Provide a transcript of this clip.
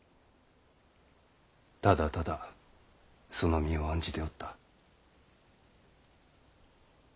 ただただその身を案じておった。